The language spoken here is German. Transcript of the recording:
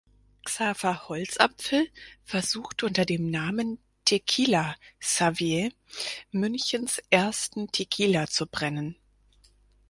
Xaver Holzapfel versucht unter dem Namen "Tequila Xavier" Münchens ersten Tequila zu brennen.